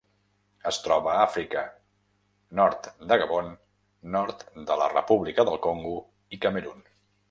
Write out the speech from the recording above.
Es troba a Àfrica: nord de Gabon, nord de la República del Congo i Camerun.